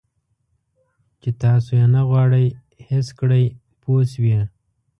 چې تاسو یې نه غواړئ حس کړئ پوه شوې!.